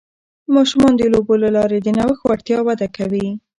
ماشومان د لوبو له لارې د نوښت وړتیا وده کوي.